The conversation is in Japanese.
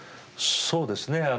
そうですね。